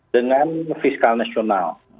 dengan fiskal nasional